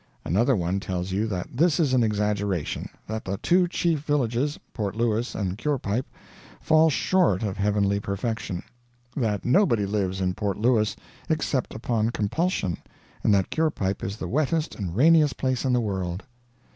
Another one tells you that this is an exaggeration; that the two chief villages, Port Louis and Curepipe, fall short of heavenly perfection; that nobody lives in Port Louis except upon compulsion, and that Curepipe is the wettest and rainiest place in the world.